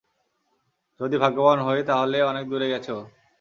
যদি ভাগ্যবান হই, তাহলে অনেক দূরে গেছে ও।